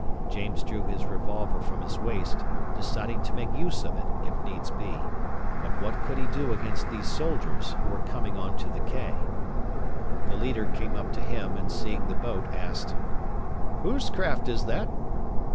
James drew his revolver from his waist, deciding to make use of it, if needs be; but what could he do against these soldiers, who were coming on to the quay? The leader came up to him, and, seeing the boat, asked: "Whose craft is that?"